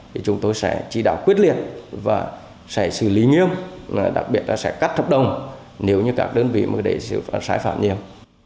thì chúng tôi sẽ chỉ đạo quyết liệt và sẽ xử lý nghiêm đặc biệt là sẽ cắt thập đồng nếu như các đơn vị mới để xãi phản nghiêm